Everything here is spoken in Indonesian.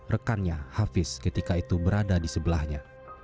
rekannya hafiz ketika itu berada di sebelahnya